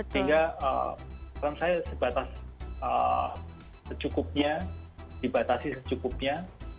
sehingga saya sebatas secukupnya dibatasi secukupnya